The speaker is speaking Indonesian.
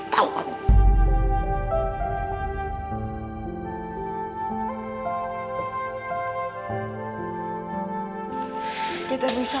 tau gak ibu